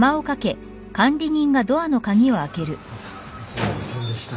すみませんでした。